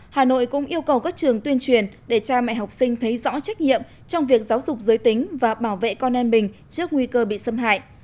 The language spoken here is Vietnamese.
hà nội cũng yêu cầu các trường tuyên truyền để cha mẹ học sinh thấy rõ trách nhiệm trong việc giáo dục giới tính và bảo vệ con em mình trước nguy cơ bị xâm hại